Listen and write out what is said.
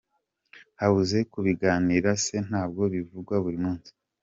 Habuze kubiganira se ntabwo bivugwa buri munsi?